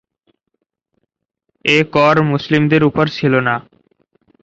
এ কর মুসলিমদের উপর ছিল না।